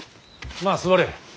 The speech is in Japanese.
まあ座れ。